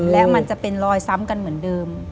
และมันจะเป็นรอยซ้ำกันเหมือนเดิม